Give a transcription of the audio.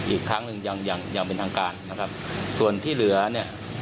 อีกครั้งหนึ่งอย่างอย่างเป็นทางการนะครับส่วนที่เหลือเนี่ย